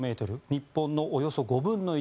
日本のおよそ５分の１。